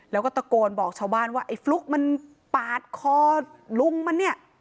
แล้วก็ตะโกนบอกชาวบ้านว่าไอ้ฟลุ๊กมันปาดคอลุงมันเนี่ย